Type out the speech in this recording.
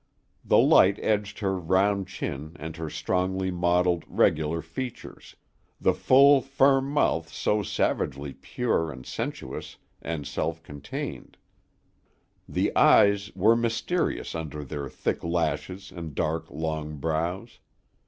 The light edged her round chin and her strongly modeled, regular features; the full, firm mouth so savagely pure and sensuous and self contained. The eyes were mysterious under their thick lashes and dark, long brows.